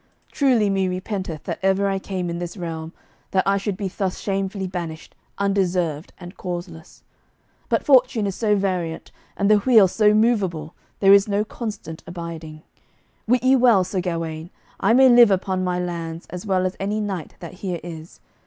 Truly me repenteth that ever I came in this realm that I should be thus shamefully banished, undeserved, and causeless. But fortune is so variant, and the wheel so movable, there is no constant abiding. Wit ye well, Sir Gawaine, I may live upon my lands as well as any knight that here is.